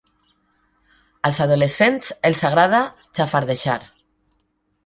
Als adolescents els agrada xafardejar.